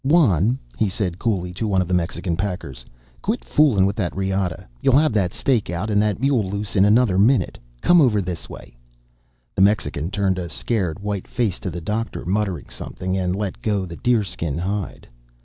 "Juan," he said coolly, to one of the Mexican packers, "quit foolin' with that riata. You'll have that stake out and that mule loose in another minute. Come over this way!" The Mexican turned a scared, white face to the Doctor, muttering something, and let go the deer skin hide.